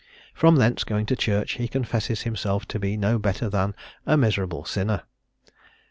From thence going to church, he confesses himself to be no better than '_a miserable sinner.'